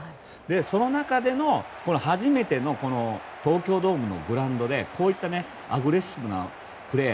その中で、初めての東京ドームのグラウンドでこういったアグレッシブなプレー